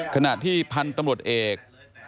ขณะที่พันธุ์ตำรวจเอก